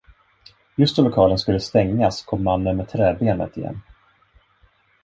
Just då lokalen skulle stängas, kom mannen med träbenet igen.